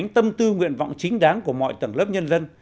tâm tư nguyện vọng chính đáng của mọi tầng lớp nhân dân